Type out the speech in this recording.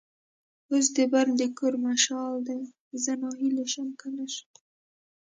اوس د بل د کور مشال دی؛ زه ناهیلی شم که نه شم.